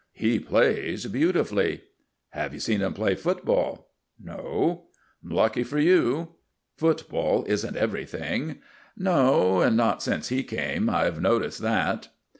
"He plays beautifully." "Have you seen him play football?" "No." "Lucky for you." "Football isn't everything." "No, not since he came; I've noticed that."